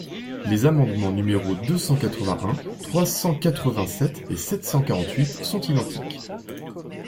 Les amendements numéros deux cent quatre-vingt-un, trois cent quatre-vingt-sept et sept cent quarante-huit sont identiques.